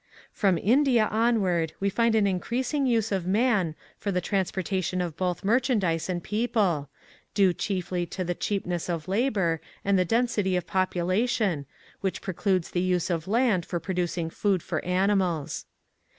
From India onward we find an increas ing use of man for the transportation of both merchandise and people, due chiefly to the cheapness of labor and the density of population, which precludes the use of land for producing food for animals.